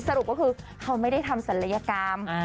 สรุปก็คือเขาไม่ได้ทำศัลยกรรม